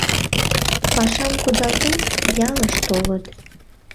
Пашам кудалтен, ялыш толыт...